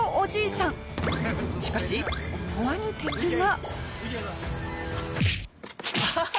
しかし思わぬ敵が。